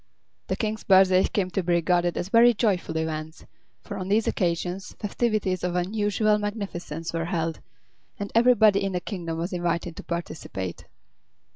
The King's birthdays came to be regarded as very joyful events, for on these occasions festivities of unusual magnificence were held, and everybody in the kingdom was invited to participate.